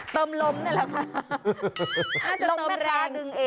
ตมล้มนี่แหล่ะค่ะ